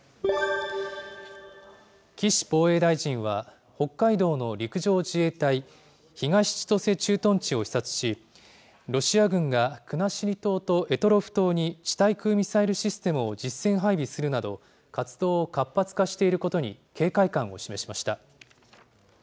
岸防衛大臣は、北海道の陸上自衛隊東千歳駐屯地を視察し、ロシア軍が国後島と択捉島に地対空ミサイルシステムを実戦配備するなど、活動を活発化していることに警戒感を示しました。